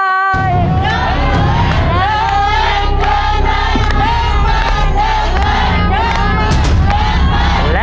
ไม่ออกไป